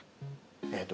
えっと